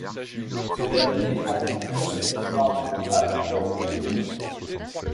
Ce dernier abrite plusieurs espèces rares de primates, d’oiseaux et de plantes.